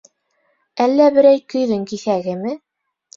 Әллә берәй көйҙөң киҫәгеме?